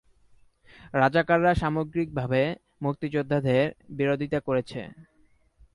রাজাকাররা সামগ্রিকভাবে মুক্তিযোদ্ধাদের বিরোধিতা করেছে।